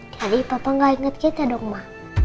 jadi papa gak inget kita dong ma